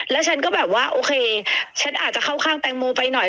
แล้วฉันก็แบบว่าโอเคฉันอาจจะเข้าข้างแตงโมไปหน่อย